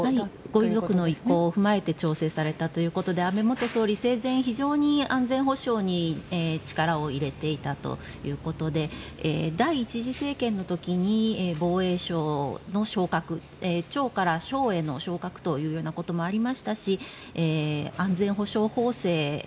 ご遺族の意向を踏まえて調整されたということで安倍元総理、生前非常に安全保障に力を入れていたということで第１次政権の時に防衛省の昇格庁から省への昇格というようなこともありましたし安全保障法制